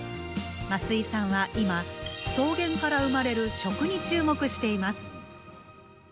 増井さんは今草原から生まれる「食」に注目しています。